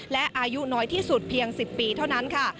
และอายุน้อยที่สุดเพียง๑๐ปีเท่านั้นค่ะ